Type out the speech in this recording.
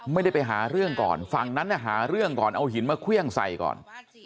ไม่ได้ไปหาเรื่องก่อนฝั่งนั้นหาเรื่องก่อนเอาหินมาเครื่องใส่ก่อน